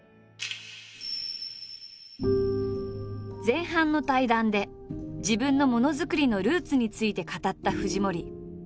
前半の対談で自分のものづくりのルーツについて語った藤森。